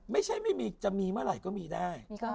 ไม่ใช่ไม่มีจะมีเมื่อไหร่ก็มีได้